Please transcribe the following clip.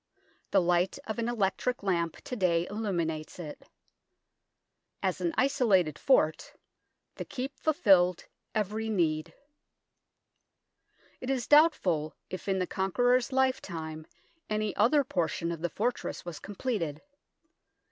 The light of an electric lamp to day illuminates it. As an isolated fort, the Keep fulfilled every need. It is doubtful if in the Conqueror's lifetime any other portion of the fortress was com pleted.